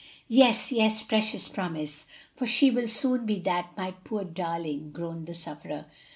"Yes, yes, precious promise! for she will soon be that, my poor darling!" groaned the sufferer.